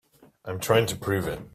I'm trying to prove it.